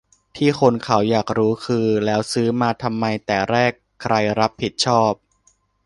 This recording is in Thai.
ที่คนเขาอยากรู้คือ แล้วซื้อมาทำไมแต่แรก ใครรับผิดชอบ